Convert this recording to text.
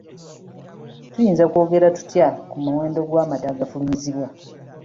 Tuyinza kwongera tutya ku muwendo gw'amata agafulumizibwa?